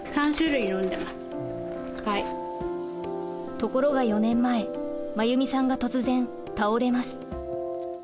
ところが４年前真由美さんが突然倒れます。